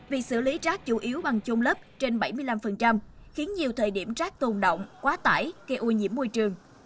việc xử lý rác chủ yếu bằng chung lớp trên bảy mươi năm khiến nhiều thời điểm rác tồn động quá tải gây ô nhiễm môi trường